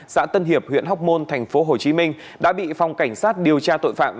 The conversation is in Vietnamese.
xã tân hiệp huyện hóc môn thành phố hồ chí minh đã bị phòng cảnh sát điều tra tội phạm